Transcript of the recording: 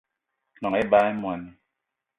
Gnong ebag í moní